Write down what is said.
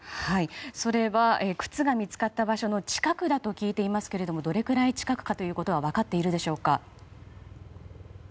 それは靴が見つかった場所の近くだと聞いていますけれどもどれくらい近くかということは分かっているでしょうか？